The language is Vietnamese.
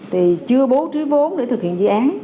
thì chưa bố trí vốn để thực hiện dự án